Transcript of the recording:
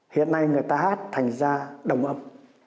hiện nay người ta hát thành ra đồng âm